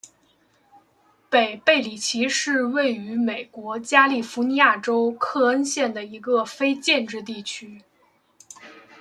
北贝里奇是位于美国加利福尼亚州克恩县的一个非建制地区。